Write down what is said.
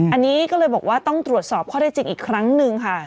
อันนี้ก็เลยบอกว่าต้องตรวจสอบข้อได้จริงอีกครั้งหนึ่งค่ะ